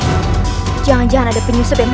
sekarang kita berserah